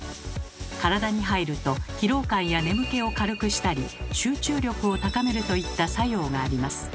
体に入ると疲労感や眠気を軽くしたり集中力を高めるといった作用があります。